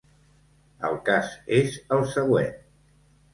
El cas és el següent.